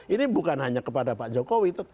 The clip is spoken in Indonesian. ini bukan hanya kepada pak jokowi